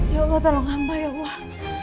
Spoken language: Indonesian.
ya allah tolong hamba ya allah